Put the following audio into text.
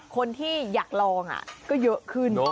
คนที่อยากลองก็เยอะขึ้น